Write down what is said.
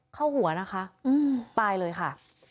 เข้าหัวนะคะ